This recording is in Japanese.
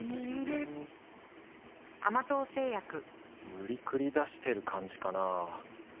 無理くり出してる感じかなぁ